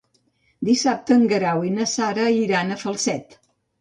Dissabte en Guerau i na Sara iran a Falset.